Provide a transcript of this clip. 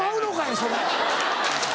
それ。